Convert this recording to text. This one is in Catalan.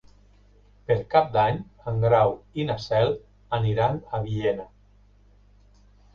Per Cap d'Any en Grau i na Cel aniran a Villena.